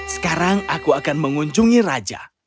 sekarang aku akan mengunjungi raja